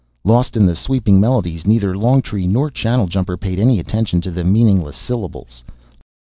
Lost in the sweeping melodies, neither Longtree nor Channeljumper paid any attention to the meaningless syllables.